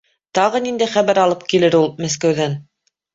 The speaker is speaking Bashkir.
Тағы ниндәй хәбәр алып килер ул Мәскәүҙән?